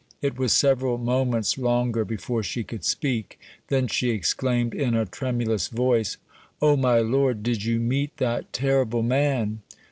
It was several moments longer before she could speak; then she exclaimed in a tremulous voice: "Oh! my lord, did you meet that terrible man?"